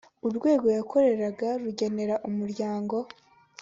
urwego yakoreraga rugenera umuryango